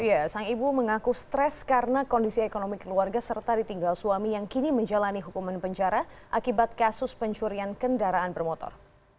iya sang ibu mengaku stres karena kondisi ekonomi keluarga serta ditinggal suami yang kini menjalani hukuman penjara akibat kasus pencurian kendaraan bermotor